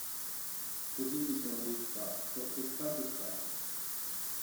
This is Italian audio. Così mi sono detta: ciò che è stato, è stato,